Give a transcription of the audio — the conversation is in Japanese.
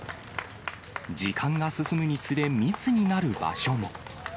時間が進むにつれ、密になる場所も。